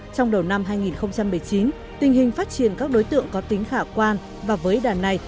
trong đầu năm hai nghìn một mươi chín tình hình phát triển các đối tượng có tính khả quan và với đàn này